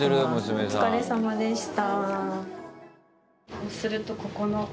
お疲れさまでした。